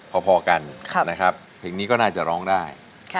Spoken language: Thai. พอกันนะครับเพลงนี้ก็น่าจะร้องได้